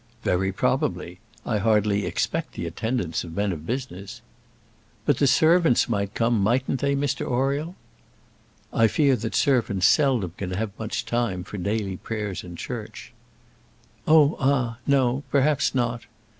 "Very probably. I hardly expect the attendance of men of business." "But the servants might come, mightn't they, Mr Oriel?" "I fear that servants seldom can have time for daily prayers in church." "Oh, ah, no; perhaps not."